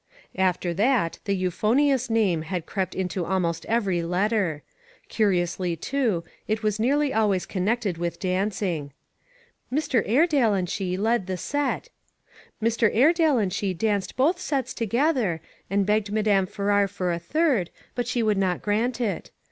After that, the " euphonious " name had crept into almost every letter; curiously, too, it was nearly always connected with danc ing. " Mr. Airedale and she led the set ;"" Mr. Airedale and she danced both sets together, and begged Madame Farrar for a third, but she would not grant it."